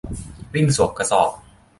วิ่งสวมกระสอบ